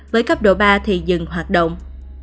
với cấp độ ba thì dừng hoạt động